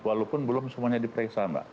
walaupun belum semuanya diperiksa mbak